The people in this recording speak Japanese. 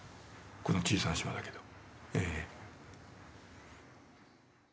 この小さな島だけど。